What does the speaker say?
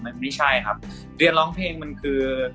มันไม่ใช่ครับเรียนร้องเพลงมันคือ